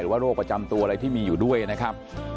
โรคประจำตัวอะไรที่มีอยู่ด้วยนะครับ